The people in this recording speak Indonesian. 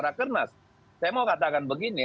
rakernas saya mau katakan begini